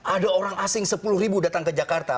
ada orang asing sepuluh ribu datang ke jakarta